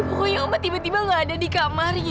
pokoknya oma tiba tiba nggak ada di kamarnya